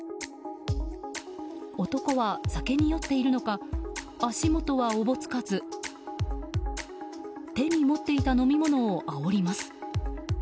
男は酒に酔っているのか足元はおぼつかず手に持っていた飲み物をあおります。